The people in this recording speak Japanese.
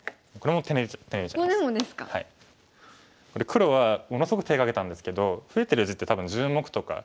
黒はものすごく手かけたんですけど増えてる地って多分１０目とか。